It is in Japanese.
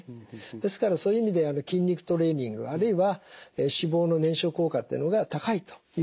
ですからそういう意味で筋肉トレーニングあるいは脂肪の燃焼効果というのが高いということになります。